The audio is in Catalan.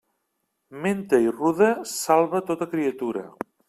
Menta i ruda salva tota criatura.